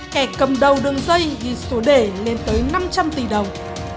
kẻ cầm đầu đường dây ghi số đề lên tới năm trăm linh tỷ đồng